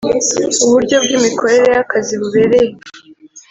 Uburyo bw imikorere y akazi bubereye